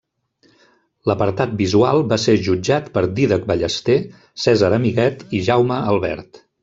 L'apartat visual va ser jutjat per Dídac Ballester, Cèsar Amiguet i Jaume Albert.